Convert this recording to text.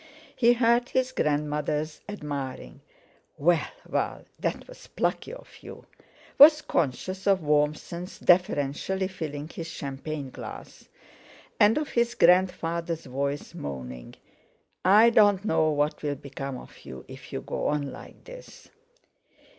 He heard his grandmother's admiring, "Well, Val, that was plucky of you;" was conscious of Warmson deferentially filling his champagne glass; and of his grandfather's voice moaning: "I don't know what'll become of you if you go on like this."